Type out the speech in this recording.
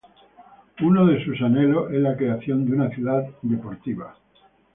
Uno de sus anhelos es la creación de una ciudad deportiva.